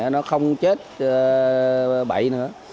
nó không chết bậy nữa